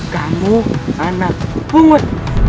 kamu anak pungut